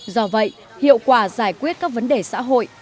do vậy hiệu quả giải quyết các vấn đề xã hội